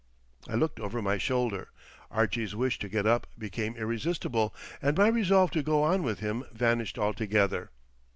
I looked over my shoulder. Archie's wish to get up became irresistible, and my resolve to go on with him vanished altogether.